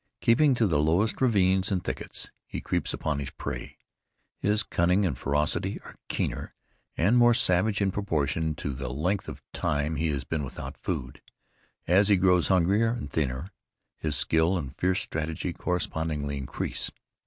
Keeping to the lowest ravines and thickets, he creeps upon his prey. His cunning and ferocity are keener and more savage in proportion to the length of time he has been without food. As he grows hungrier and thinner, his skill and fierce strategy correspondingly increase.